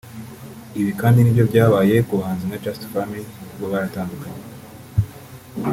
Ibi kandi ni nabyo byabaye ku bahanzi nka Just Family (bo baratandukanye)